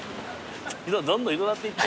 どんどんひどなっていってる。